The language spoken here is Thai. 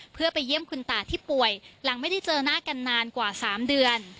เพื่อไปเยี่ยมคุณตาที่ป่วยหลังไม่ได้เจอหน้ากันนานกว่า๓เดือน